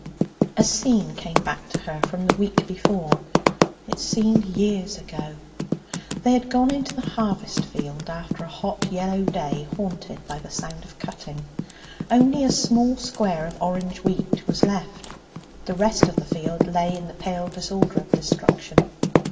A scene came back to her from the week before it seemed years ago. They had gone into the harvest field after a hot, yellow day haunted by the sound of cutting. Only a small square of orange wheat was left; the rest of the field lay in the pale disorder of destruction.